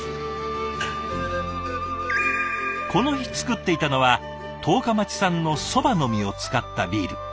この日造っていたのは十日町産の蕎麦の実を使ったビール。